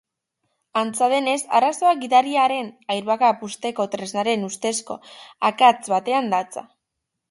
Antza denez, arazoa gidariaren airbag-a puzteko tresnaren ustezko akats batean datza.